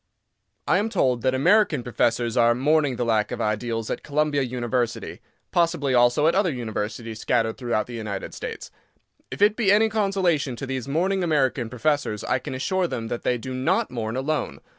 I AM told that American professors are "mourning the lack of ideals" at Columbia University—possibly also at other universities scattered through the United States. If it be any consolation to these mourning American professors, I can assure them that they do not mourn alone.